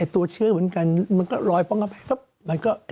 ตัวเชื้อเหมือนกันมันก็ลอยป้องเข้าไป